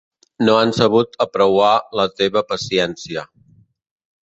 No han sabut apreuar la teva paciència.